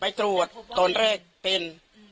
ไปตรวจตอนแรกเป็น